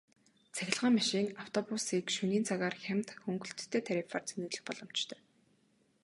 Цахилгаан машин, автобусыг шөнийн цагаар хямд хөнгөлөлттэй тарифаар цэнэглэх боломжтой.